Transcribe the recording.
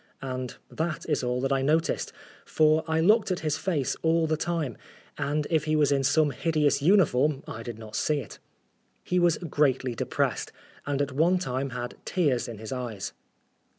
And that is all that I noticed, for I looked at his face all the time, and if he was in some hideous uniform I did not see it. He was greatly depressed, and at one time had tears in his eyes.